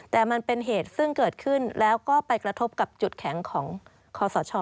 แต่มันเป็นเหตุซึ่งเกิดขึ้นแล้วก็ไปกระทบกับจุดแข็งของคอสช